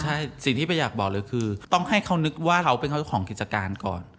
ใช่สิ่งที่ไปอยากบอกเลยคือต้องให้เขานึกว่าเขาเป็นเจ้าของกิจการก่อน